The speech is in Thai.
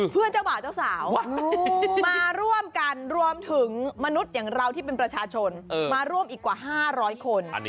เจ้าบ่าวเจ้าสาวมาร่วมกันรวมถึงมนุษย์อย่างเราที่เป็นประชาชนมาร่วมอีกกว่า๕๐๐คน